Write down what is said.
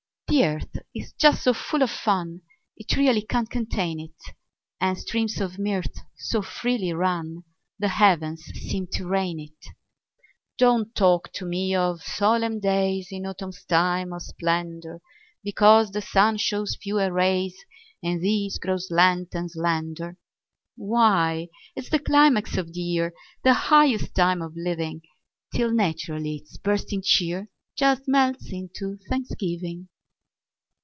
The earth is just so full of fun It really can't contain it; And streams of mirth so freely run The heavens seem to rain it. Don't talk to me of solemn days In autumn's time of splendor, Because the sun shows fewer rays, And these grow slant and slender. Why, it's the climax of the year, The highest time of living! Till naturally its bursting cheer Just melts into thanksgiving.